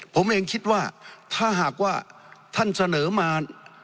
ผมเองคิดว่าถ้าหากว่าท่านเสนอมา